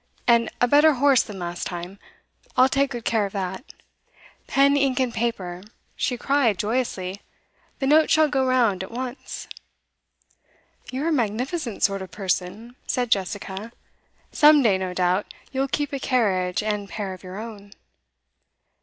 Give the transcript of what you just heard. And a better horse than last time; I'll take good care of that. Pen, ink, and paper!' she cried joyously. 'The note shall go round at once.' 'You're a magnificent sort of person,' said Jessica. 'Some day, no doubt, you'll keep a carriage and pair of your own.